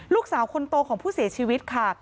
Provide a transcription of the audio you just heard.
ลูกสาวคนโตของผู้เสียชีวิตค่ะ